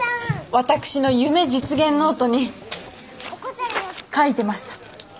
「私の夢・実現ノート」に書いてました！